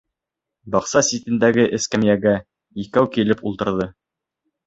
Баҡса ситендәге эскәмйәгә икәү килеп ултырҙы.